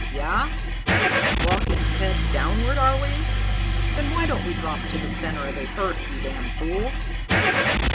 "Yeah? Walking head downward, are we? Then why don't we drop to the center of the earth, you damn fool?"